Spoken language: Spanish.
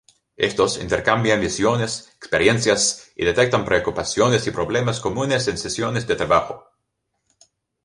Estos intercambian visiones, experiencias, y detectan preocupaciones y problemas comunes en sesiones de trabajo.